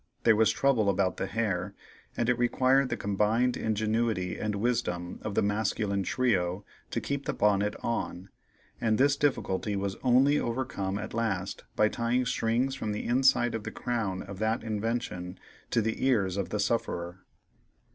There was trouble about the hair, and it required the combined ingenuity and wisdom of the masculine trio to keep the bonnet on, and this difficulty was only overcome at last by tying strings from the inside of the crown of that invention to the ears of the sufferer.